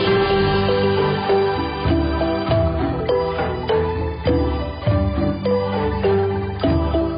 ที่สุดท้ายที่สุดท้ายที่สุดท้าย